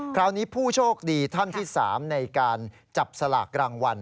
คราวนี้ผู้โชคดีท่านที่๓ในการจับสลากรางวัล